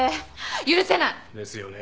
許せない！ですよね。